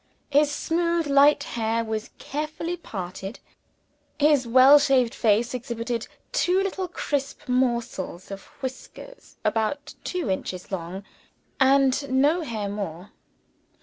His smooth light hair was carefully parted; his well shaved face exhibited two little crisp morsels of whisker about two inches long, and no hair more.